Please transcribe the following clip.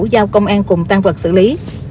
giao công an cùng tăng vật xử lý